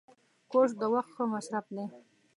کورس د وخت ښه مصرف دی.